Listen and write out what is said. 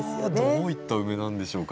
どういったウメなんでしょうか？